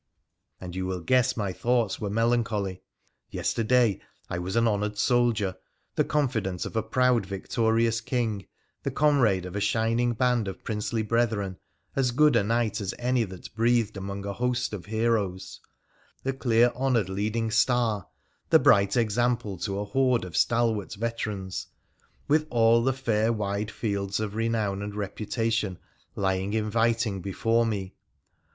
And you will guess my thoughts were melan choly. Yesterday I was an honoured soldier, the confidant of a proud victorious king, the comrade of a shining band of princely brethren, as good a knight as any that breathed among a host of heroes, the clear honoured leading star — the bright example to a horde of stalwart veterans — with all the fair wide fields of renown and reputation lying inviting before me